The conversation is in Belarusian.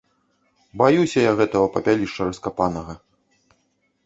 Баюся я гэтага папялішча раскапанага.